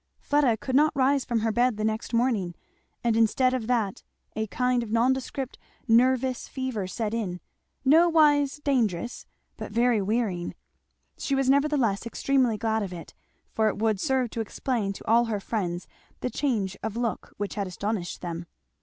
Fleda could not rise from her bed the next morning; and instead of that a kind of nondescript nervous fever set in; nowise dangerous, but very wearying. She was nevertheless extremely glad of it, for it would serve to explain to all her friends the change of look which had astonished them.